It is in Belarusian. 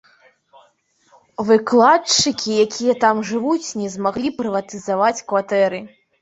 Выкладчыкі, якія там жывуць, не змаглі прыватызаваць кватэры.